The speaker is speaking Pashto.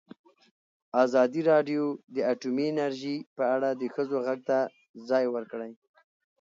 ازادي راډیو د اټومي انرژي په اړه د ښځو غږ ته ځای ورکړی.